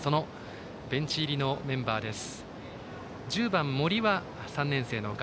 ベンチ入りのメンバーです。